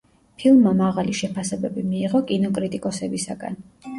ფილმმა მაღალი შეფასებები მიიღო კინოკრიტიკოსებისაგან.